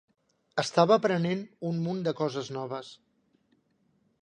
Estava aprenent un munt de coses noves.